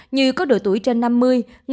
nhiều có độ tuổi trên năm mươi